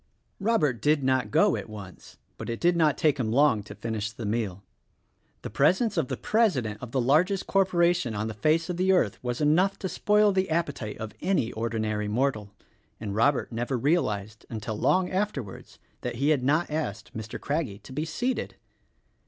Robert did not go at once; but it did not take him long to finish the meal. The presence of the president of the largest corporation on the face of the earth was enough to spoil the appetite of any ordinary mortal; and Robert never realized until long afterwards, that he had not asked Mr. Craggie to be seated.